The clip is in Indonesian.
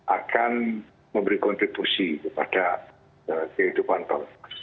akan memberi kontribusi kepada kehidupan para muslim